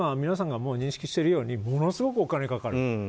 皆さんが認識しているようにものすごくお金がかかる。